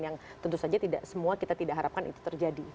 yang tentu saja tidak semua kita tidak harapkan itu terjadi